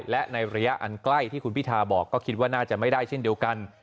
และในระยะอันใกล้ที่คุณพิทาบอกก็คิดว่าน่าจะไม่ได้เช่นเดียวกัน